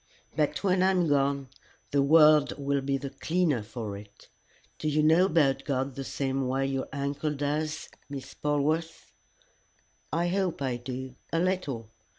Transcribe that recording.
"But when I am gone the world will be the cleaner for it. Do you know about God the same way your uncle does, Miss Polwarth?" "I hope I do a little.